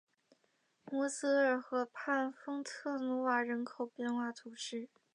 摩泽尔河畔丰特努瓦人口变化图示